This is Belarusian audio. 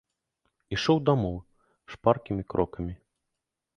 Ішоў дамоў шпаркімі крокамі.